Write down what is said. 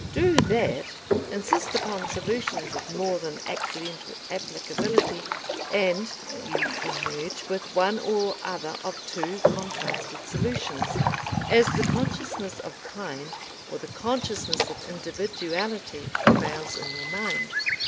Do that, insist upon solutions of more than accidental applicability, and you emerge with one or other of two contrasted solutions, as the consciousness of kind or the consciousness of individuality prevails in your mind.